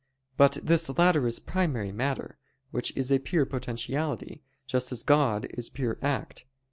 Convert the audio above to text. But this latter is primary matter, which is a pure potentiality, just as God is pure act.